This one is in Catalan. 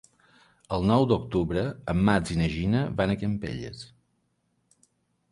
El nou d'octubre en Max i na Gina van a Campelles.